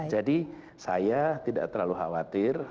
jadi saya tidak terlalu khawatir